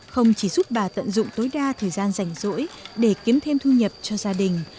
không chỉ giúp bà tận dụng tối đa thời gian rảnh rỗi để kiếm thêm thu nhập cho gia đình